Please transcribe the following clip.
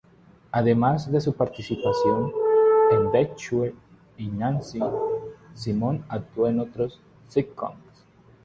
Además de su participación en "Bewitched" y "Nancy", Simon actuó en otros sitcoms.